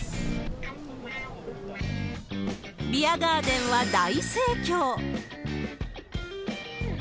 ビアガーデンは大盛況。